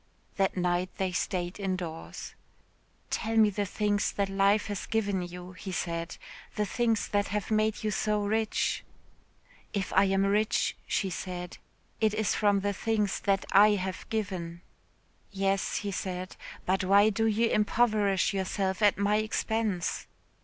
That night they stayed indoors. "Tell me the things that life has given you," he said, "the things that have made you so rich." "If I am rich," she said, "it is from the things that I have given." "Yes," he said, "but why do you impoverish yourself at my expense?"